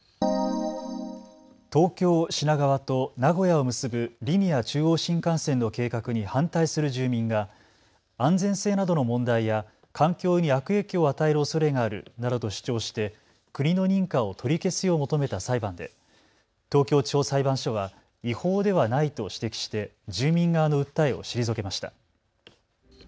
東京品川と名古屋を結ぶリニア中央新幹線の計画に反対する住民が安全性などの問題や環境に悪影響を与えるおそれがあるなどと主張して国の認可を取り消すよう求めた裁判で東京地方裁判所は違法ではないと指摘して住民側の訴えを退けました。